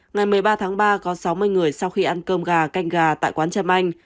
ngày một mươi ba tháng ba có sáu mươi người sau khi ăn cơm gà canh gà tại quán trâm anh